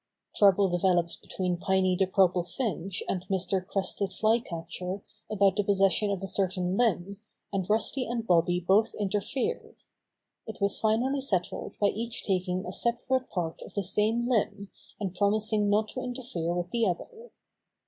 Trouble developed be tween Piney the Purple Finch and Mr. Crested Flycatcher about the possession of a certain limb, and Rusty and Bobby both in terfered. It was finally settled by each taking a separate part of the same limb and promising not to interfere with the other.